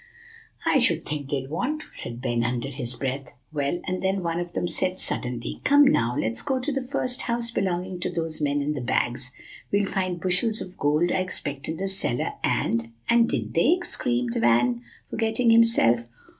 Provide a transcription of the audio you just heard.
"I should think they'd want to," said Ben, under his breath. "Well, and then one of them said suddenly, 'Come, now, let's go to the first house belonging to those men in the bags; we'll find bushels of gold I expect in the cellar, and" "And did they?" screamed Van, forgetting himself.